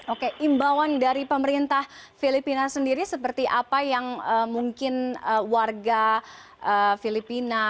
oke imbauan dari pemerintah filipina sendiri seperti apa yang mungkin warga filipina